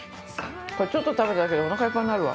ちょっと食べただけでおなかいっぱいになるわ。